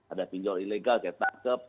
ada pinjol ilegal kita tetap tetap